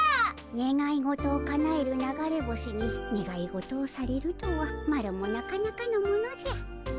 ねがい事をかなえる流れ星にねがい事をされるとはマロもなかなかのものじゃ。